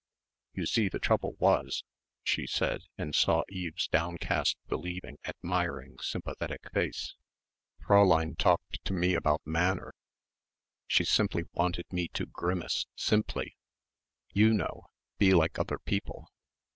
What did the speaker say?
"You see the trouble was," she said and saw Eve's downcast believing admiring sympathetic face, "Fräulein talked to me about manner, she simply wanted me to grimace, simply. You know be like other people."